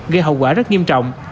gây hậu quả rất nghiêm trọng